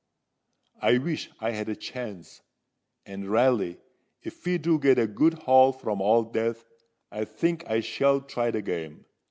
I wish I had a chance! And, raly, if we do get a good haul from Old Death, I think I shall try the game.